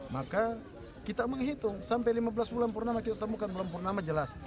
maka kita menghitung sampai lima belas bulan purnama kita temukan bulan purnama jelas